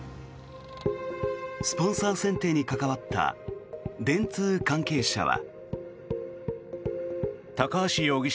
スポンサー選定に関わった電通関係者は。